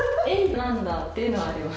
なんだっていうのはあります。